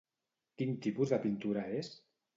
Quin tipus de pintura és?